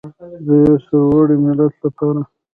د یو سرلوړي ملت لپاره.